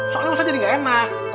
soalnya maksudnya jadi gak enak